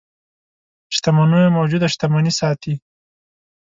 شتمنيو موجوده شتمني ساتي.